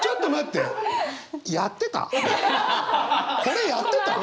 これやってた？